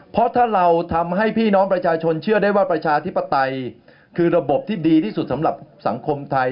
เพราะถ้าเราทำให้พี่น้องประชาชนเชื่อได้ว่าประชาธิปไตยคือระบบที่ดีที่สุดสำหรับสังคมไทย